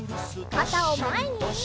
かたをまえに！